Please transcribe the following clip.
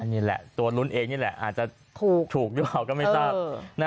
นี่แหละตัวลุ้นเองนี่แหละอาจจะถูกหรือเปล่าก็ไม่ทราบ